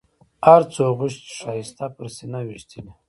هر څو غشي چې ښایسته پر سینه ویشتلي.